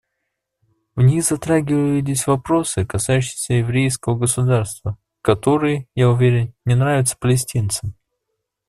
В них затрагивались вопросы, касающиеся еврейского государства, которые, я уверен, не нравятся палестинцам.